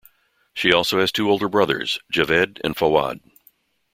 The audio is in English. She also has two older brothers, Javed and Fawad.